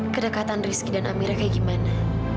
kedekatan rizky dan amira kayak gimana